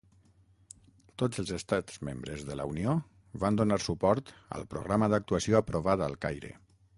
Tots els Estats Membres de la Unió van donar suport al Programa d'actuació aprovat al Caire.